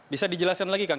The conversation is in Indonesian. bisa dijelaskan lagi kang